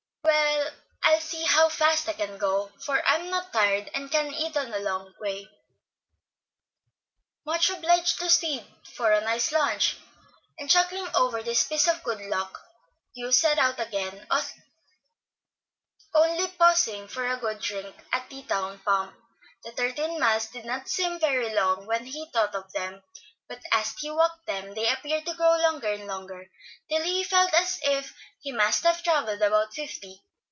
I'll see how fast I can go, for I'm not tired, and can eat on the way. Much obliged to Sid for a nice lunch." And chuckling over this piece of good luck, Hugh set out again, only pausing for a good drink at the town pump. The thirteen miles did not seem very long when he thought of them, but as he walked them they appeared to grow longer and longer, till he felt as if he must have travelled about fifty.